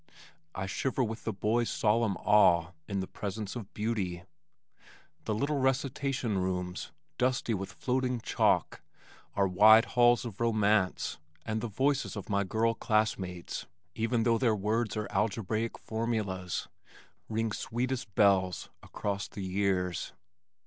I shiver with the boy's solemn awe in the presence of beauty. The little recitation rooms, dusty with floating chalk, are wide halls of romance and the voices of my girl classmates (even though their words are algebraic formulas), ring sweet as bells across the years.